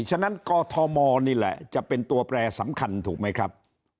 ฉะนั้นกอทมนี่แหละจะเป็นตัวแปรสำคัญถูกไหมครับ